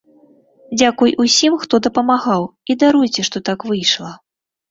Дзякуй усім, хто дапамагаў, і даруйце, што так выйшла.